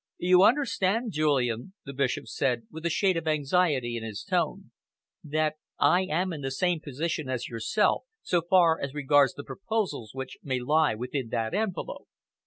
"You understand, Julian," the Bishop said, with a shade of anxiety in his tone, "that I am in the same position as yourself so far as regards the proposals which may lie within that envelope?